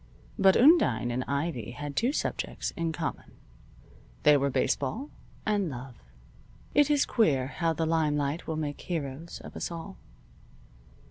But Undine and Ivy had two subjects in common. They were baseball and love. It is queer how the limelight will make heroes of us all.